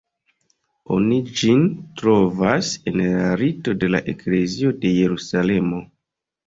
Oni ĝin trovas en la Rito de la Eklezio de Jerusalemo.